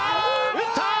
打った！